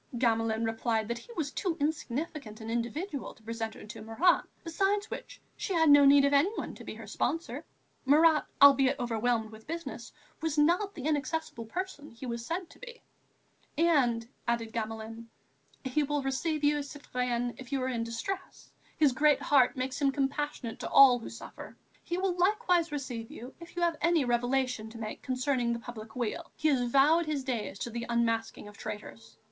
Gamelin replied that he was too insignificant an individual to present her to Marat, besides which, she had no need of anyone to be her sponsor; Marat, albeit overwhelmed with business, was not the inaccessible person he was said to be, and, added Gamelin: "He will receive you, citoyenne, if you are in distress; his great heart makes him compassionate to all who suffer. He will likewise receive you if you have any revelation to make concerning the public weal; he has vowed his days to the unmasking of traitors."